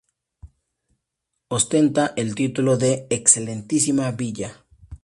Ostenta el título de "Excelentísima Villa".